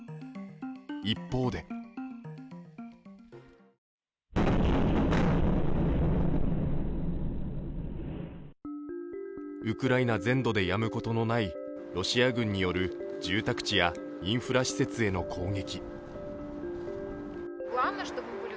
一方でウクライナ全土でやむことのないロシア軍による住宅地やインフラ施設への攻撃。